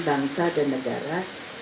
bangsa dan negara